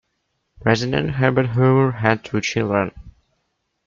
President Herbert Hoover had two children.